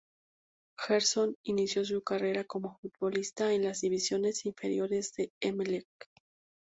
Gerson inició su carrera como futbolista en las divisiones inferiores de Emelec.